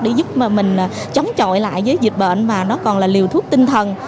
để giúp mình chống chọi lại với dịch bệnh mà nó cũng là liều thuốc tinh thần